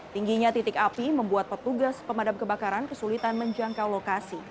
tingginya titik api membuat petugas pemadam kebakaran kesulitan menjangkau lokasi